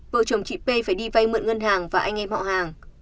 vợ chồng chị p phải đi vay mượn ngân hàng và anh em họ hàng